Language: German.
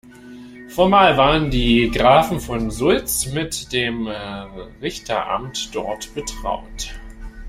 Formal waren die Grafen von Sulz mit dem Richteramt dort betraut.